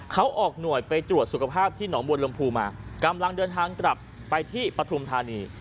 เขาออกหน่วยไปตรวจสุขภาพที่หนองบัวลำพูมากำลังเดินทางกลับไปที่ปฐุมธานี